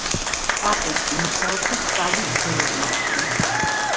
პაპერტი მუშაობდა სწავლის თეორიებზე.